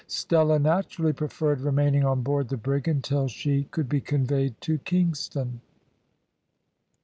Stella naturally preferred remaining on board the brig until she could be conveyed to Kingston.